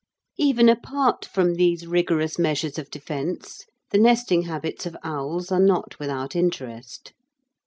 Even apart from these rigorous measures of defence, the nesting habits of owls are not without interest.